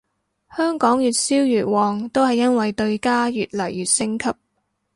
香港越燒越旺都係因為對家越嚟越升級